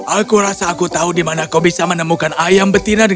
aku rasa aku tahu di mana kau bisa menemukan ayam betina